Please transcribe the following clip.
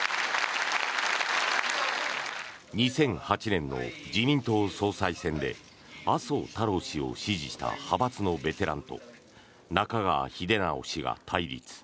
２００８年の自民党総裁選で麻生太郎氏を支持した派閥のベテランと中川秀直氏が対立。